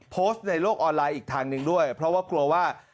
โพสต์ในโลกออนไลน์อีกทางหนึ่งด้วยเพราะว่ากลัวว่า